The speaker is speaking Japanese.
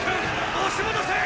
押し戻せェ！